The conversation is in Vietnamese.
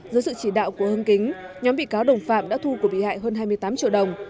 dưới sự chỉ đạo của hưng kính nhóm bị cáo đồng phạm đã thu của bị hại hơn hai mươi tám triệu đồng